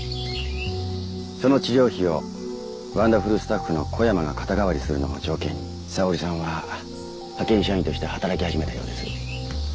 その治療費をワンダフルスタッフの小山が肩代わりするのを条件に沙織さんは派遣社員として働き始めたようです。